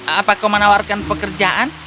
apa kau menawarkan pekerjaan